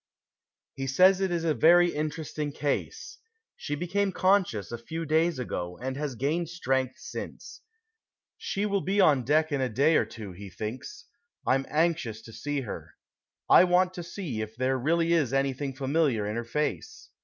He says that it is a very interesting case. She became conscious a few days ago, and has gained strength since. She will be on deck in a day or two, he thinks. I'm anxious to see her. I want to see if there really is anything familiar in her face.